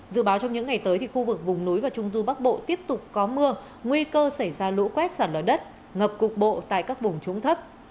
dự báo trong những ngày tới khu vực vùng núi và trung du bắc bộ tiếp tục có mưa nguy cơ xảy ra lũ quét sạt lở đất ngập cục bộ tại các vùng trũng thấp